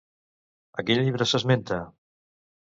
A quin llibre s'esmenta?